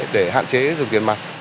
để hạn chế dùng tiền mặt